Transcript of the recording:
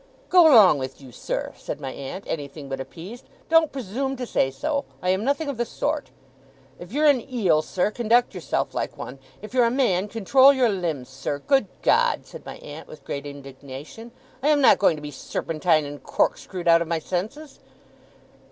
'Go along with you, sir!' said my aunt, anything but appeased. 'Don't presume to say so! I am nothing of the sort. If you're an eel, sir, conduct yourself like one. If you're a man, control your limbs, sir! Good God!' said my aunt, with great indignation, 'I am not going to be serpentined and corkscrewed out of my senses!